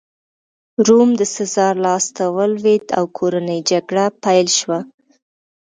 روم د سزار لاسته ولوېد او کورنۍ جګړه پیل شوه